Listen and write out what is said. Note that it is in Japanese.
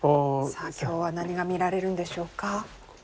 さあ今日は何が見られるんでしょうか？